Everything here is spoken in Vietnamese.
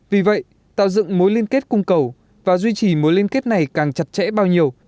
vì vậy tạo dựng mối liên kết cung cầu và duy trì mối liên kết này càng chặt chẽ bao nhiêu